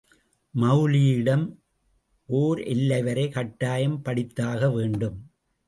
மெளலவியிடம் ஓரெல்லைவரை கட்டாயம் படித்தாக வேண்டும்.